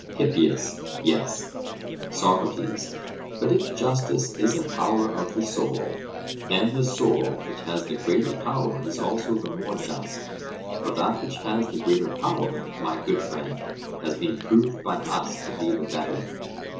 HIPPIAS: Yes. SOCRATES: But if justice is a power of the soul, then the soul which has the greater power is also the more just; for that which has the greater power, my good friend, has been proved by us to be the better.